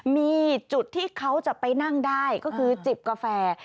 มีจุดที่เขาจะไปนั่งได้ก็คือจิบกาแฟ